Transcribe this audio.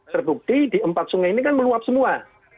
terbukti di empat sungai ini kan meluap semua